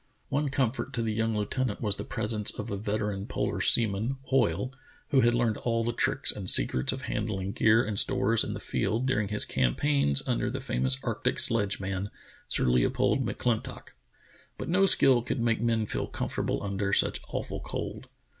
One comfort to the young lieutenant was the presence of a veteran polar seaman, Hoile, who had learned all the tricks and secrets of handling gear and stores in the field during his campaigns under the famous arctic sledgeman Sir Leopold McQintock. But no skill could make men comfortable under such awful cold.